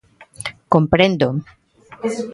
_Comprendo.